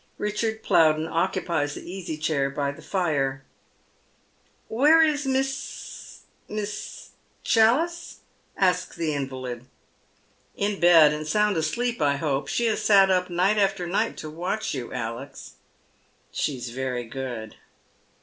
Eichard Plowden occupies the easy chair by the fire. " Where is Miss — Miss — Challice ?" asks the invalid. " In bed, and sound asleep, I hope. She has sat up night after night to watch you, Alex." " She is very good."